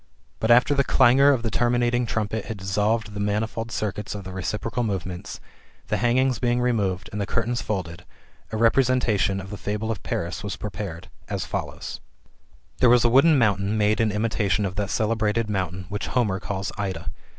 But, after the clangour of the terminating trumpet had dissolved the manifold circuits of the reciprocal movements, the hangings being re moved, and the curtains folded, a representation of [the fable of] Paris was prepared, as follows': There was a wooden mountain made in imitation of that celebrated mountain, which Homer calls Ida.